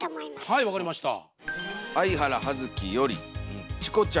はい分かりました。